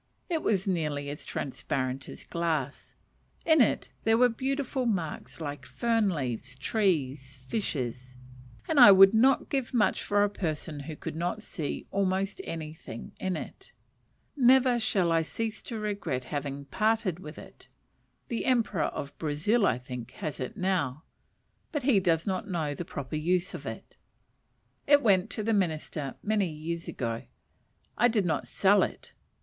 It was nearly as transparent as glass; in it there were beautiful marks like fern leaves, trees, fishes and I would not give much for a person who could not see almost anything in it. Never shall I cease to regret having parted with it. The Emperor of Brazil, I think, has it now; but he does not know the proper use of it. It went to the Minister many years ago. I did not sell it.